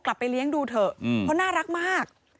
กลับไปเลี้ยงดูเถอะเพราะน่ารักมาก